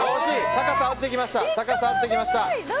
高さは合ってきました。